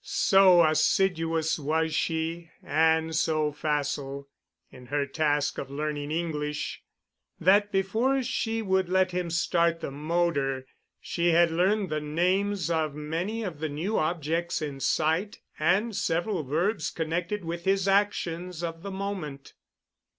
So assiduous was she and so facile in her task of learning English, that before she would let him start the motor she had learned the names of many of the new objects in sight, and several verbs connected with his actions of the moment.